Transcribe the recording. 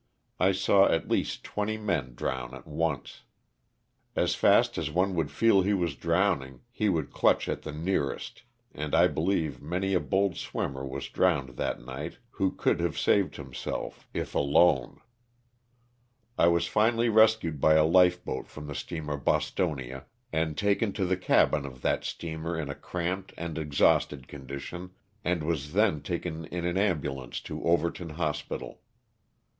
I saw at least twenty drown at once. As fast as one would feel he was drowning he would clutch at the nearest, and I believe many a bold swimmer was drowned that night who could have saved himself ]62 LOSS OF THE SULTANA. if alone. I was finally rescued by a life boat from the steamer *' Bostonia" and taken to the cabin of that steamer in a cramped and exhausted condition, and was then taken in an ambulance to Overton hospital.